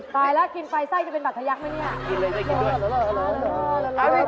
ตายแล้วกินฝัยไส้จะเป็นบัตรใหญังไหมนี่